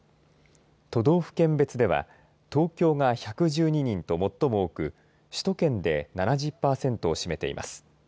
都道府県別では東京が１１２人と最も多く首都圏で７０パーセントを占めています。